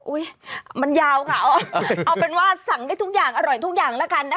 มันยาวค่ะเอาเป็นว่าสั่งได้ทุกอย่างอร่อยทุกอย่างแล้วกันนะคะ